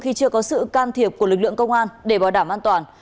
khi chưa có sự can thiệp của lực lượng công an để bảo đảm an toàn